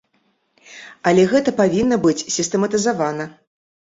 Але гэта павінна быць сістэматызавана.